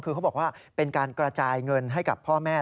คือเขาบอกว่าเป็นการกระจายเงินให้กับพ่อแม่